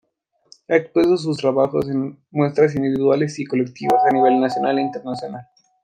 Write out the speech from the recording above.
Ha expuesto sus trabajos en muestras individuales y colectivas, a nivel nacional e internacional.